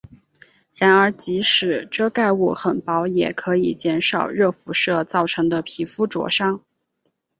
然而即使遮盖物很薄也可以减少热辐射造成的皮肤灼伤。